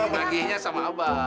baginya sama abah